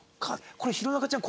これ弘中ちゃん